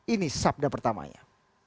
ini sabda pertamanya